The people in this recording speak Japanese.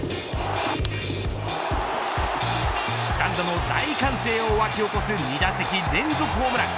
スタンドの大歓声を巻き起こす２打席連続ホームラン。